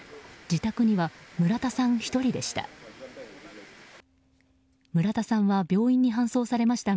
自宅には村田さん１人でした。